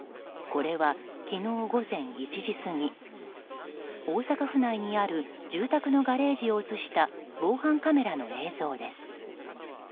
これは、昨日午前１時過ぎ大阪府内にある住宅のガレージを映した防犯カメラの映像です。